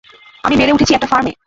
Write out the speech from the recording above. আমি বেড়ে উঠেছি একটা ফার্মে।